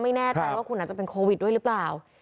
ไม่แน่ใจว่าคุณอาจจะเป็นโควิดด้วยหรือเปล่า